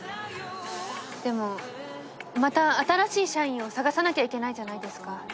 でもまた新しい社員を探さなきゃいけないじゃないですか。